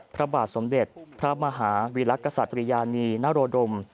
พระบาทสมเด็จพระมหาวิลักษัตริยานีนโรดม